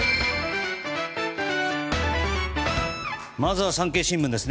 まずは産経新聞です。